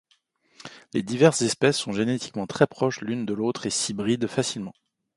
Les diverses espèces sont génétiquement très proches l'une de l'autre et s'hybrident facilement.